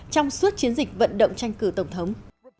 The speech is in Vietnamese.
trong suốt chiến dịch vận động tranh cử tổng thống